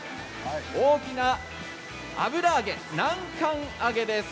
大きな油揚げ、南関あげです。